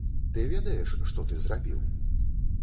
Ты ведаеш, што ты зрабіў?